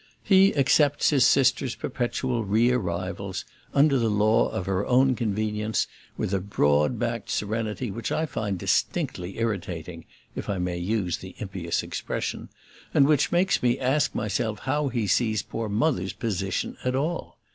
He accepts his sister's perpetual re arrivals, under the law of her own convenience, with a broad backed serenity which I find distinctly irritating (if I may use the impious expression) and which makes me ask myself how he sees poor Mother's "position" at all.